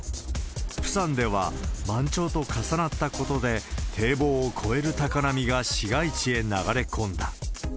プサンでは、満潮と重なったことで、堤防を越える高波が市街地へ流れ込んだ。